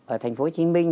ở thành phố hồ chí minh